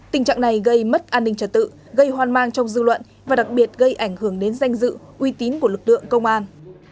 tình trạng này gây mất an ninh trật tự gây hoang mang trong dư luận và đặc biệt gây ảnh hưởng đến danh dự uy tín của lực lượng công an